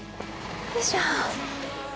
よいしょ。